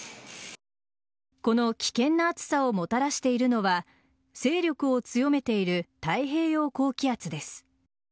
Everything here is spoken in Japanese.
この危険な暑さをもたらしているのは勢力を強めている太平洋高気圧です。